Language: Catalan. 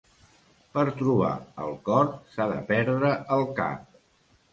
Per trobar el cor s'ha de perdre el cap.